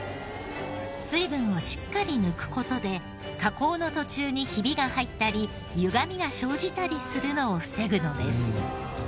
水分をしっかり抜く事で加工の途中にひびが入ったりゆがみが生じたりするのを防ぐのです。